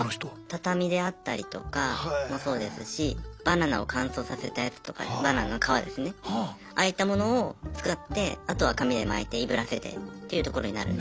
畳であったりとかもそうですしバナナを乾燥させたやつとかバナナの皮ですねああいったものを作ってあとは紙で巻いていぶらせてっていうところになる。